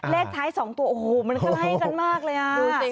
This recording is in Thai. เลขท้าย๒ตัวโอ้โฮมันก็ให้กันมากเลย